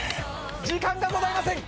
時間がございません。